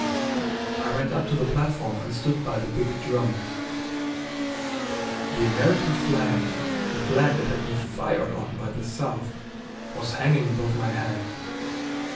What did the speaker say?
I went up to the platform and stood by the big drum. The American flag, the flag that had been fired on by the South, was hanging above my head.